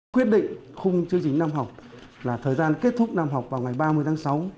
quyết định khung chương trình năm học là thời gian kết thúc năm học vào ngày ba mươi tháng sáu